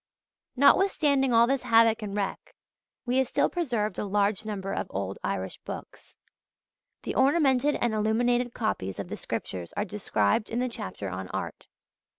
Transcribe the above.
Notwithstanding all this havoc and wreck, we have still preserved a large number of old Irish books. The ornamented and illuminated copies of the Scriptures are described in the chapter on Art.